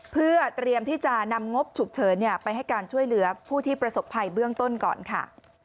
เพื่อเตรียมที่จะนำงบฉุกเฉินไปให้การช่วยเหลือผู้ที่ประสบภัยเบื้องต้นก่อนค่ะ